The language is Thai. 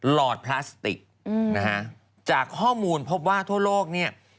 หลอดพลาสติกนะฮะจากข้อมูลพบว่าทั่วโลกเนี่ย